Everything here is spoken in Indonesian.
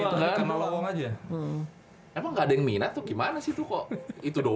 enggak kan emang nomor yang dibuka yang ngelowong sepuluh meter running target itu dah